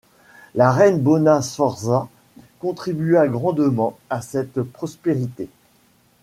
La reine Bona Sforza contribua grandement à cette prospérité.